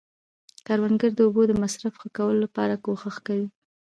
کروندګر د اوبو د مصرف ښه کولو لپاره کوښښ کوي